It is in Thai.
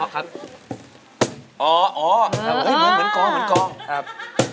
ครับผมแล้วก็คอกครับ